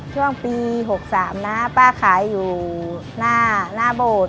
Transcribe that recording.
ช่วงปี๖๓นะป้าขายอยู่หน้าโบสถ์